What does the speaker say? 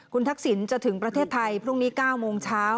คุณทักษิณจะถึงประเทศไทยพรุ่งนี้๙โมงเช้า